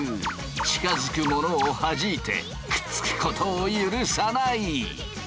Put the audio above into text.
近づくものをはじいてくっつくことを許さない！